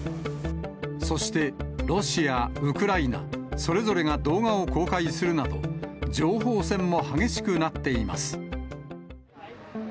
そして、ロシア、ウクライナ、それぞれが動画を公開するなど、情報戦も激しくなっています。